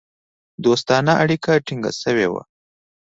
دوستانه اړیکو ټینګ سوي وه.